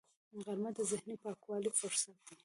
غرمه د ذهني پاکوالي فرصت دی